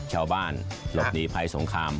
ชาวบ้านหลบหนีภัยสงคราม